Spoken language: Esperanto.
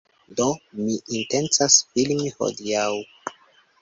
Do mi intencas filmi hodiaŭ.